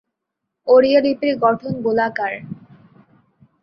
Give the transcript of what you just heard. ওড়িয়া লিপির গঠন গোলাকার।